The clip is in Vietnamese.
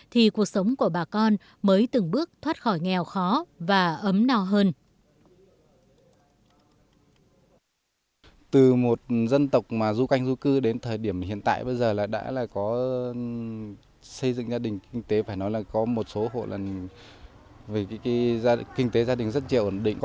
thì cuộc sống của bà con mới từng bước thoát khỏi nghèo khó và ấm no hơn